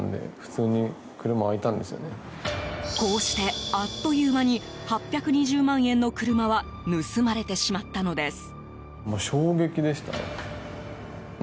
こうしてあっという間に８２０万円の車は盗まれてしまったのです。